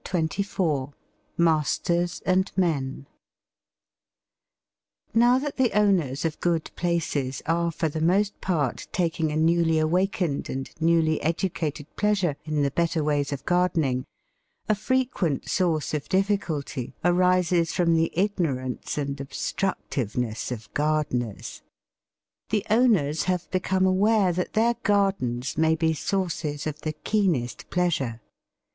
_) CHAPTER XXIV MASTERS AND MEN Now that the owners of good places are for the most part taking a newly awakened and newly educated pleasure in the better ways of gardening, a frequent source of difficulty arises from the ignorance and obstructiveness of gardeners. The owners have become aware that their gardens may be sources of the keenest pleasure.